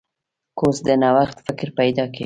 کورس د نوښت فکر پیدا کوي.